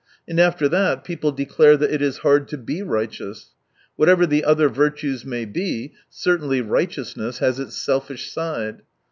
And after that, people declare that it is hard to be righteous. Whatever the other virtues may be, certainly righteousness has its selfish side.